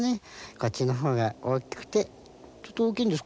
こっちの方がちょっと大きいんですね。